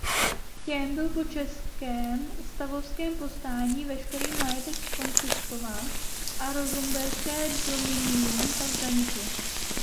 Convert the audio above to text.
Těm byl po českém stavovském povstání veškerý majetek zkonfiskován a Rožmberské dominium tak zaniklo.